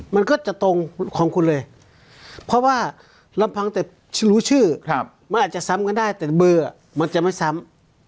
มันก็จะตรงของคุณเลยเพราะว่าลำพังแต่รู้ชื่อมันอาจจะซ้ำกันได้แต่เบอร์มันจะไม่ซ้ำ